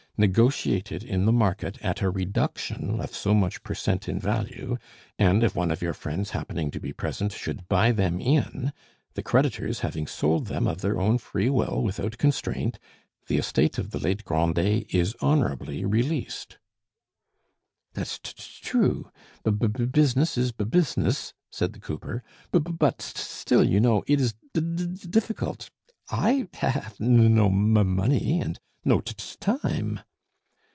negotiated in the market at a reduction of so much per cent in value, and if one of your friends happening to be present should buy them in, the creditors having sold them of their own free will without constraint, the estate of the late Grandet is honorably released." "That's t true; b b business is b business," said the cooper. "B b but, st still, you know, it is d d difficult. I h have n no m m money and n no t t time."